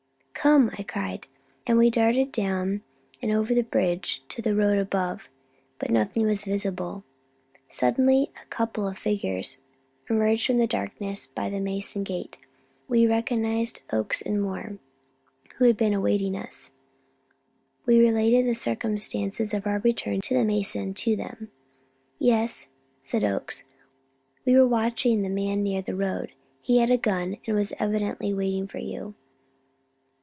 "Come!" I cried; and we darted down and over the bridge to the road above, but nothing was visible. Suddenly a couple of figures emerged from the darkness by the Mansion gate. We recognized Oakes and Moore, who had been awaiting us. We related the circumstances of our return to the Mansion to them. "Yes," said Oakes, "we were watching the man near the road. He had a gun, and was evidently waiting for you.